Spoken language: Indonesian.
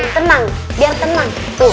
tenang biar tenang tuh